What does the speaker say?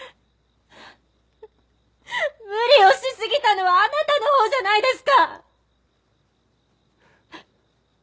無理をしすぎたのはあなたのほうじゃないですか！